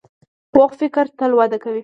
پوخ فکر تل وده کوي